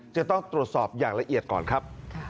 จะต้องตรวจสอบอย่างละเอียดก่อนครับ